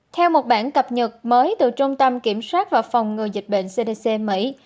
theo một bản cập nhật mới từ trung tâm kiểm soát và phòng ngừa dịch bệnh cdc mỹ